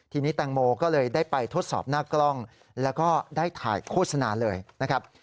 ทีนี้แตงโมก็เลยได้ไปทดสอบหน้ากล้องแล้วก็ได้ถ่ายโฆษณาเลยนะครับ